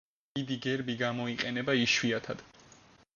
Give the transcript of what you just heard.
დიდი გერბი გამოიყენება იშვიათად.